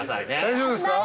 大丈夫ですか？